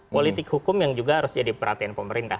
politik hukum yang juga harus jadi perhatian pemerintah